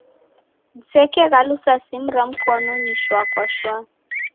Disekeghalusa simu ra mkonunyi shwa kwa shwa.